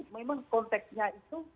memang konteksnya itu